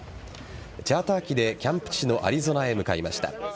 チャーター機でキャンプ地のアリゾナへ向かいました。